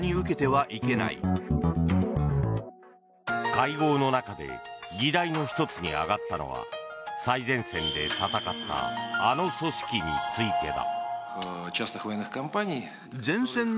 会合の中で議題の１つに挙がったのが最前線で戦ったあの組織についてだ。